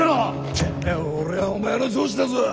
てめえ俺はお前の上司だぞ！